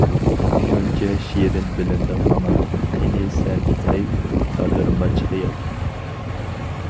شۇنچە شېرىن بىلىندىڭ ماڭا، قېنى سەن ھەي گادىرماچ خىيال.